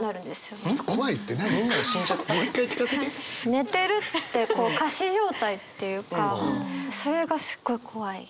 寝てるってこう仮死状態っていうかそれがすごい怖い。